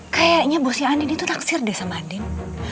kayaknya bosnya andin itu naksir deh sama andin